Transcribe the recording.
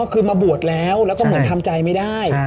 คือมาบวชแล้วแล้วก็เหมือนทำใจไม่ได้